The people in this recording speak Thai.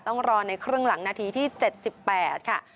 ต้องรอในครึ่งหลังนาทีที่๗๘ค่ะ